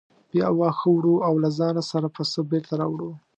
بیا واښه وړو او له ځانه سره پسه بېرته راوړو.